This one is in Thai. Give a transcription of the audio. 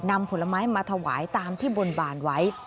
ผลไม้มาถวายตามที่บนบานไว้